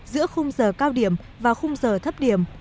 giữa khung giờ cao điểm và khung giờ thấp điểm